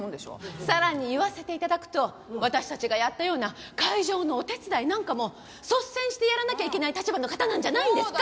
さらに言わせて頂くと私たちがやったような会場のお手伝いなんかも率先してやらなきゃいけない立場の方なんじゃないんですか？